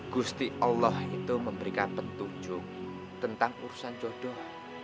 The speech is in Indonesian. gusti allah itu memberikan petunjuk tentang urusan jodoh